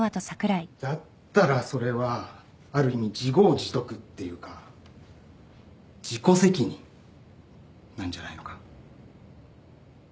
だったらそれはある意味自業自得っていうか自己責任なんじゃないのか？